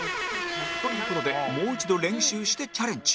という事でもう一度練習してチャレンジ